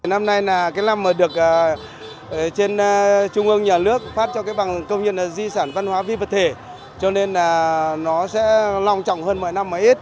năm nay là cái năm mà được trên trung ương nhà nước phát cho cái bằng công nhân là di sản văn hóa vi vật thể cho nên là nó sẽ lòng trọng hơn mọi năm mà ít